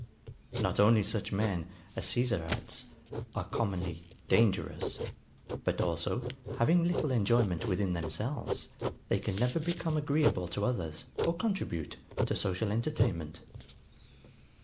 Not only such men, as Caesar adds, are commonly DANGEROUS, but also, having little enjoyment within themselves, they can never become agreeable to others, or contribute to social entertainment.